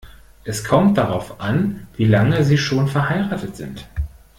Das kommt darauf an, wie lange Sie schon verheiratet sind.